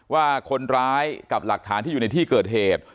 ว่าคนร้ายกับหลักฐานที่อยู่ในที่เกิดเหตุ